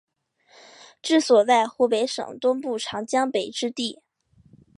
治所在湖北省东部长江北之地。